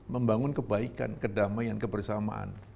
membangun kebaikan kedamaian kebersamaan